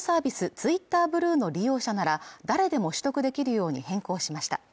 ツイッターブルーの利用者なら誰でも取得できるように変更しました